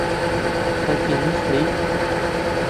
خەڵکی مووسڵی؟